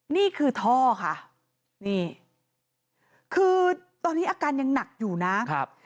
นี่คือท่อค่ะนี่คือตอนนี้อาการยังหนักอยู่นะครับ